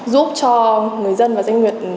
giúp cho người dân và doanh nghiệp